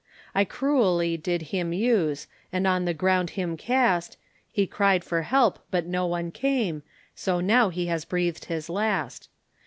I cruelly did him use, And on the ground him cast, He cried for help, but no one came, So now he has breathed his last.